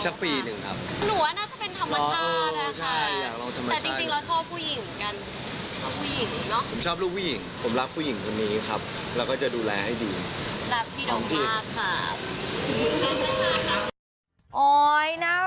ก็รอบ้านพร้อมที่อยู่พร้อมแล้วทุกอย่างถ้าเรียบร้อยไม่มีอะไรต้องรออะก็อยากรีบมีให้เขา